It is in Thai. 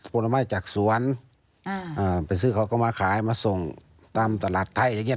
ผลไม้จากสวนไปซื้อเขาก็มาขายมาส่งตามตลาดไทยอย่างเงี้